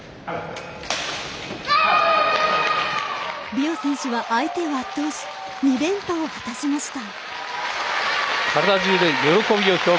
ビオ選手は相手を圧倒し２連覇を果たしました。